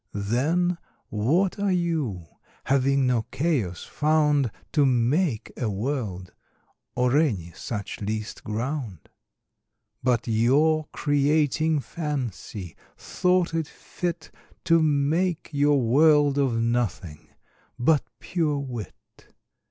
Then what are You, having no Chaos found To make a World, or any such least ground? But your Creating Fancy, thought it fit To make your World of Nothing, but pure Wit.